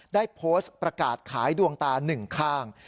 ได้โพสต์ประกาศขายดวงตาหนึ่งข้าง